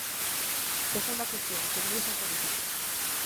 Segunda cuestión, feminismo político.